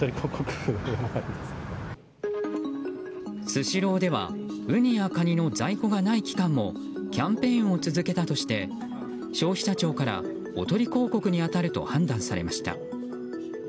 スシローではウニやカニの在庫がない期間もキャンペーンを続けたとして消費者庁からおとり広告に当たると判断されました。